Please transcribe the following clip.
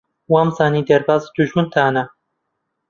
وامزانی دەرباز دوژمنتانە.